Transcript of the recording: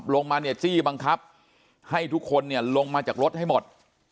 ลงมาจี้บังคับให้ทุกคนลงมาจากรถให้หมด